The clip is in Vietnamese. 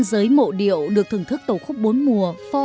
giới mộ điệu được thưởng thức tổ khúc bốn mùa